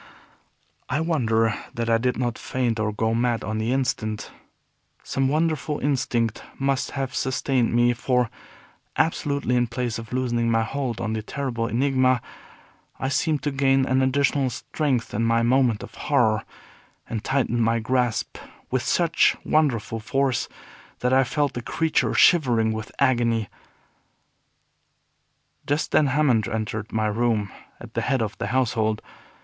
I wonder that I did not faint or go mad on the instant. Some wonderful instinct must have sustained me; for, absolutely, in place of loosening my hold on the terrible Enigma, I seemed to gain an additional strength in my moment of horror, and tightened my grasp with such wonderful force that I felt the creature shivering with agony. Just then Hammond entered my room at the head of the household.